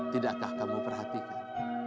tidakkah kamu perhatikan